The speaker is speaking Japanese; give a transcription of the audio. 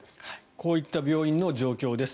こういった病院の状況です。